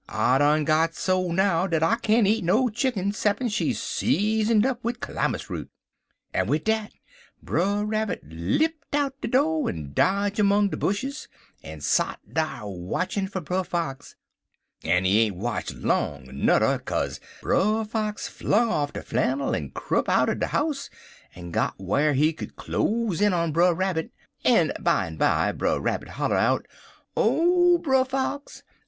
I done got so now dat I can't eat no chicken 'ceppin she's seasoned up wid calamus root.' En wid dat Brer Rabbit lipt out er de do' and dodge 'mong the bushes, en sot dar watchin' for Brer Fox; en he ain't watch long, nudder, kaze Brer Fox flung off de flannil en crope out er de house en got whar he could cloze in on Brer Rabbit, en bimeby Brer Rabbit holler out: 'Oh, Brer Fox!